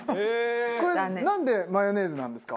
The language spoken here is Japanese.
これなんでマヨネーズなんですか？